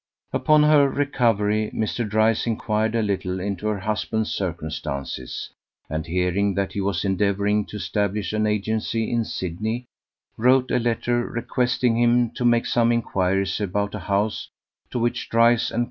Upon her recovery Mr. Dryce inquired a little into her husband's circumstances, and hearing that he was endeavouring to establish an agency in Sydney, wrote a letter requesting him to make some inquiries about a house to which Dryce & Co.